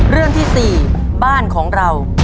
เรื่องที่๔บ้านของเรา